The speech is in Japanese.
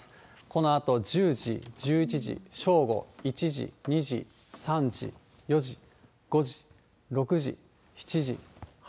このあと１０時、１１時、正午、１時、２時、３時、４時、５時、６時、７時、８時、９時。